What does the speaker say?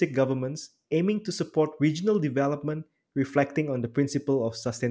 yang berhasil mendukung pembangunan regional yang menggambarkan prinsip kesehatan